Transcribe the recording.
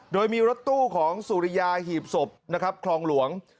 โดยมีรถตู้ของสุริยาหีบศพนะครับคลองหลวง